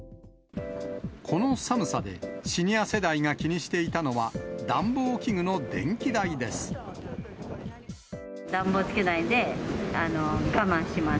この寒さで、シニア世代が気にしていたのは、暖房つけないで我慢します。